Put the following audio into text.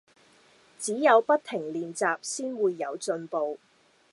只有不停練習先會有進步